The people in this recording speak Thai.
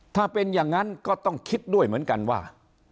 ถ้าเป็นอย่างนั้นก็ต้องคิดด้วยเหมือนกันว่า